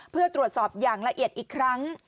เพื่อตรวจสอบอย่างละเอียดอีกครั้ง